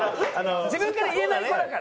自分から言えない子だから。